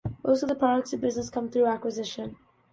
Most of the products and business comes through acquisition.